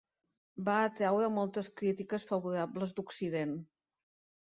Van atraure moltes crítiques favorables d'Occident.